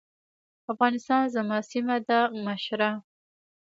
افغانستان زما سيمه ده مشره.